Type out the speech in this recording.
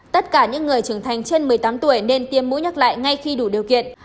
tất cả những người trưởng thành trên một mươi tám tuổi nên tiêm mũi nhắc lại ngay khi đủ điều kiện